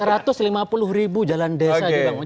satu ratus lima puluh ribu jalan desa dibangun